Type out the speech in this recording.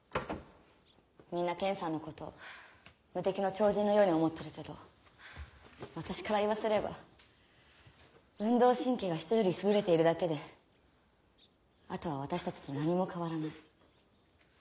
みんな剣さんのこと無敵の超人のように思ってるけど私から言わせれば運動神経がひとより優れているだけであとは私たちと何も変わらない。